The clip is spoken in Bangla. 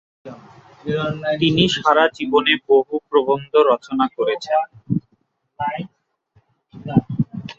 তিনি সারা জীবনে বহু প্রবন্ধ রচনা করেছেন।